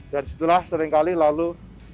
dan setelah seringkali lalu